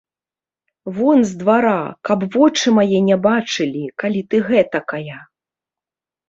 Вон з двара, каб вочы мае не бачылі, калі ты гэтакая!